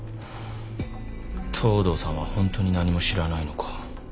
東堂さんはホントに何も知らないのか。